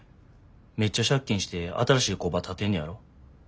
めっちゃ借金して新しい工場建てんねやろ？